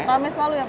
rame selalu ya pak ya